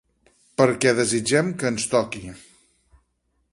Perquè desitgem que ens toqui.